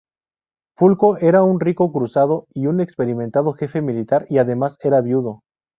Fulco era un rico cruzado y un experimentado jefe militar, y además era viudo.